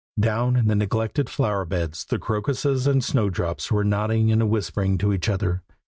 Down in the neglected flower beds the crocuses and snowdrops were nodding and whispering to each other.